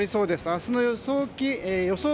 明日の予想